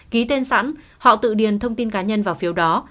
ký tên sẵn họ tự điền thông tin cá nhân vào phiếu đó